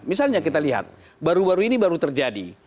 misalnya kita lihat baru baru ini baru terjadi